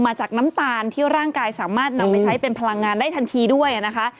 จากน้ำตาลที่ร่างกายสามารถนำไปใช้เป็นพลังงานได้ทันทีด้วยนะคะ